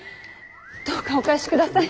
どうかお返しください。